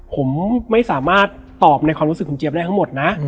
ผมไม่สามารถตอบในความรู้สึกคุณเจี๊ยบได้ทั้งหมดนะ